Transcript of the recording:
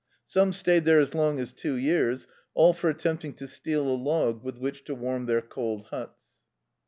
Some stayed there as long as two years — all for attempting to steal a log with which to warm their cold huts.